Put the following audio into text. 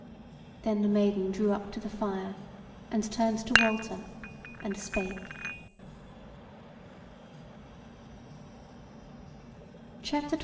Then the Maiden drew up to the fire, and turned to Walter and spake.